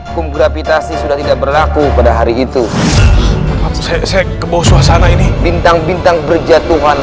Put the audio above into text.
kum gravitasi sudah tidak berlaku pada hari itu kebosan ini bintang bintang berjatuhan